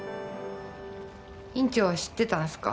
院長は知ってたんすか？